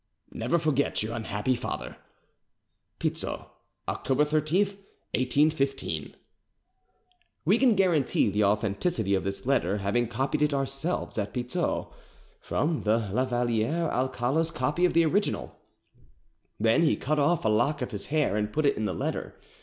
Never forget your unhappy father, "Pizzo, Oct. 13, 1815" [We can guarantee the authenticity of this letter, having copied it ourselves at Pizzo, from the Lavaliere Alcala's copy of the original] Then he cut off a lock of his hair and put it in his letter.